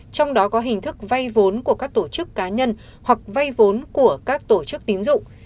trong đó có hình thức vay vốn của các tổ chức cá nhân hoặc vay vốn của các tổ chức tín dụng